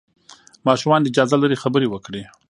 ماشومان اجازه لري خبرې وکړي.